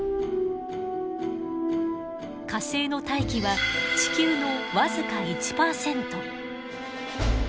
火星の大気は地球の僅か１％。